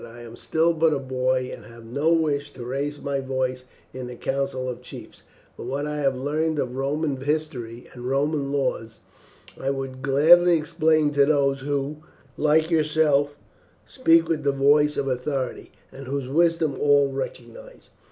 "I am still but a boy, and have no wish to raise my voice in the council of chiefs; but what I have learned of Roman history and Roman laws I would gladly explain to those who, like yourself, speak with the voice of authority, and whose wisdom all recognize."